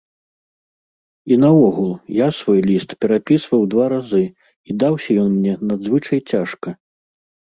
І наогул, я свой ліст перапісваў два разы і даўся ён мне надзвычай цяжка.